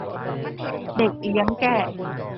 เด็กเลี้ยงแกะ